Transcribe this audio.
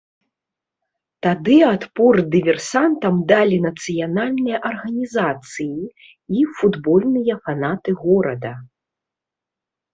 Тады адпор дыверсантам далі нацыянальныя арганізацыі і футбольныя фанаты горада.